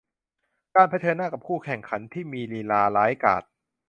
การเผชิญหน้ากับคู่แข่งขันที่มีลีลาร้ายกาจ